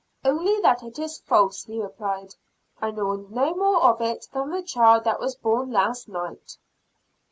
"Only that it is false," he replied. "I know no more of it than the child that was born last night."